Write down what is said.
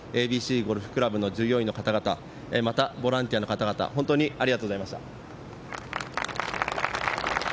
ＡＢＣゴルフ倶楽部の従業員の方々、また、ボランティアの方々、本当にありがとうございました。